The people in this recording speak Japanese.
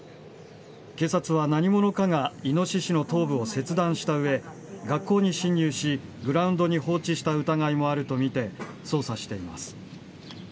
警察は何者かがイノシシの頭部を切断したうえ学校に侵入しグラウンドに放置した疑いもあるとみて捜査しています。